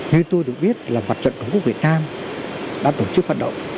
như tôi được biết là mặt trận tổ quốc việt nam đã tổ chức phát động